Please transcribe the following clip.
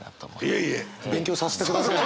いえいえ勉強させてください。